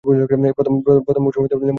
প্রথম মৌসুমে পাঁচটি পর্ব রয়েছে।